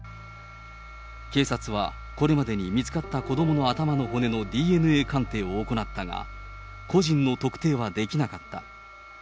警察は、これまでに見つかった子どもの頭の骨のＤＮＡ鑑定を行ったが、個人の特定はできなかった。